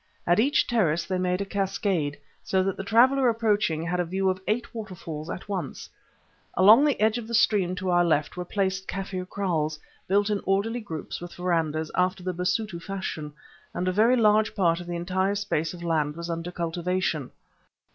At each terrace they made a cascade, so that the traveller approaching had a view of eight waterfalls at once. Along the edge of the stream to our left were placed Kaffir kraals, built in orderly groups with verandahs, after the Basutu fashion, and a very large part of the entire space of land was under cultivation.